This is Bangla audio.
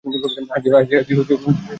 আজই, দেরি কোরো না।